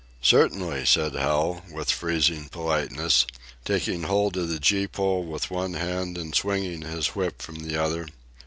"Certainly," said Hal, with freezing politeness, taking hold of the gee pole with one hand and swinging his whip from the other.